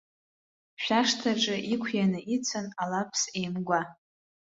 Шәашҭаҿы иқәианы ицәан алаԥс еимгәа.